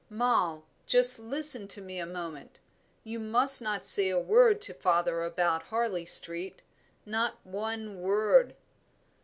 "Moll, just listen to me a moment: you must not say a word to father about Harley Street not one word."